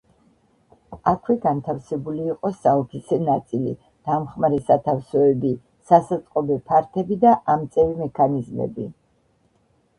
აქვე განთავსებული იყო საოფისე ნაწილი, დამხმარე სათავსოები, სასაწყობე ფართები და ამწევი მექანიზმები.